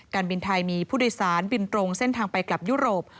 การบินไทยมีผู้โดยสารบินตรงเส้นทางไปกลับยุโรป